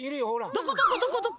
どこどこどこどこ？